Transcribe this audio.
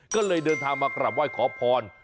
ก็เลยเดินทางมากราบไหว้ขอพร